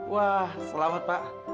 wah selamat pak